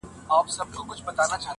• هغه د شعرونو دوولس مجموعې چاپ کړې -